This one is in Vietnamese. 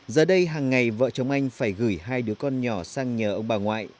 giờ đây hàng ngày vợ chồng anh phải gửi hai đứa con nhỏ sang nhà ông bà ngoại